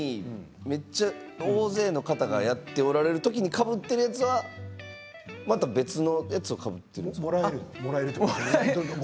めっちゃ大勢の方がやっておられるときにかぶっているものはまた別のやつをかぶっているんですか？